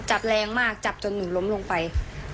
จับแรงมากจับจนหนูล้มลงไป